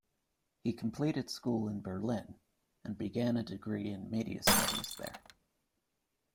He completed school in Berlin, and began a degree in media studies there.